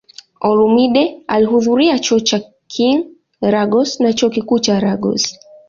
Olumide alihudhuria Chuo cha King, Lagos na Chuo Kikuu cha Lagos.